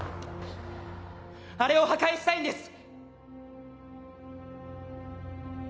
あれを破壊したいんです！